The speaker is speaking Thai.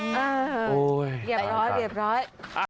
เรียบร้อยเรียบร้อย